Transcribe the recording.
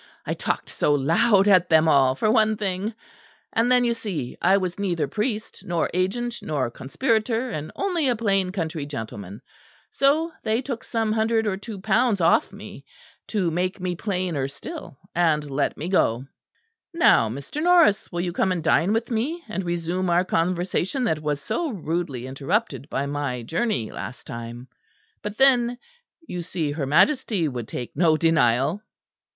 I talked so loud at them all for one thing; and then you see I was neither priest nor agent nor conspirator, but only a plain country gentleman: so they took some hundred or two pounds off me, to make me still plainer; and let me go. Now, Mr. Norris, will you come and dine with me, and resume our conversation that was so rudely interrupted by my journey last time? But then you see her Majesty would take no denial."